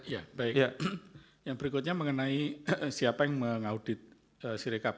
ya baik yang berikutnya mengenai siapa yang mengaudit sirekap